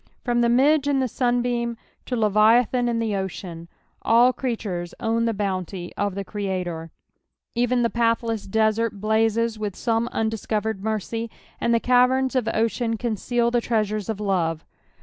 From the midge in the sunbeam to leviathan in the ocean all creaturea P3ALM THE THIETT THIRD. 117 own the bonoty of the Creator. Even the pathless desert Mnzes with soroe undiscovered mercy, and the caverna of ocean conceal tile treasures of lore.